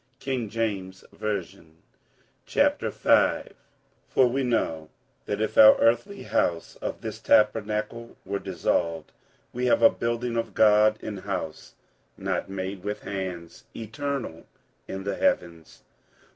47:005:001 For we know that if our earthly house of this tabernacle were dissolved, we have a building of God, an house not made with hands, eternal in the heavens.